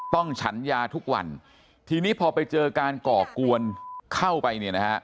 ฉันยาทุกวันทีนี้พอไปเจอการก่อกวนเข้าไปเนี่ยนะฮะ